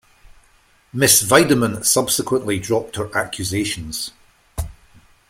Miss Weideman subsequently dropped her accusations.